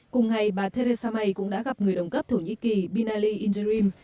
cùng ngày bà theresa may cũng đã gặp người đồng cấp thổ nhĩ kỳ binali indirim